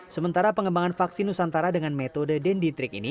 sementara pengembangan vaksin nusantara dengan metode denditrik ini